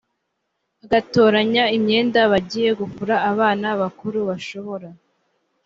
agatoranya imyenda bagiye gufura abana bakuru bashobora